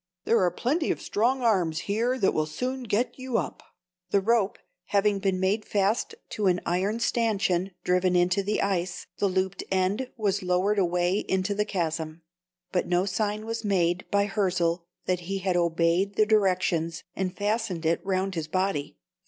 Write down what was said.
There are plenty of strong arms here that will soon get you up." The rope having been made fast to an iron stanchion driven into the ice, the looped end was lowered away into the chasm; but no sign was made by Hirzel that he had obeyed the directions, and fastened it round his body.